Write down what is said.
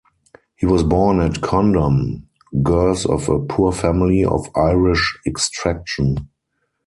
He was born at Condom, Gers of a poor family of Irish extraction.